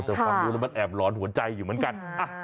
แต่ฟังดูแล้วมันแอบหลอนหัวใจอยู่เหมือนกัน